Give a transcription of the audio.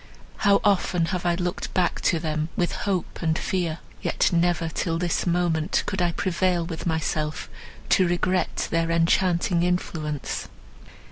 How often I have looked back to them with hope and fear—yet never till this moment could I prevail with myself to regret their enchanting influence."